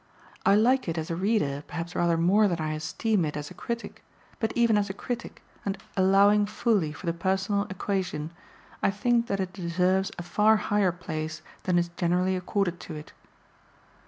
I like it as a reader perhaps rather more than I esteem it as a critic; but even as a critic, and allowing fully for the personal equation, I think that it deserves a far higher place than is generally accorded to it.